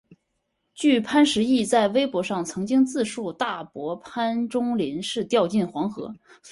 据潘石屹在微博上曾经自述大伯潘钟麟是掉进黄河。